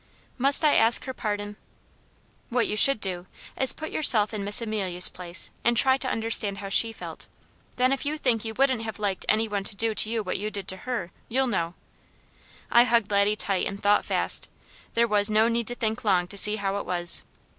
"Must I ask her pardon?" "What you should do, is to put yourself in Miss Amelia's place and try to understand how she felt. Then if you think you wouldn't have liked any one to do to you what you did to her, you'll know." I hugged Laddie tight and thought fast there was no need to think long to see how it was.